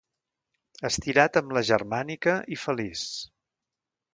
Estirat amb la germànica, i feliç.